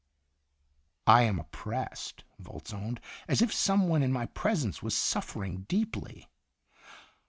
"" I am oppressed," Volz owned, " as if some one in my presence was suffering deeply."